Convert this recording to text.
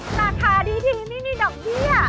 และถาดีทีมินิดอกเบี้ย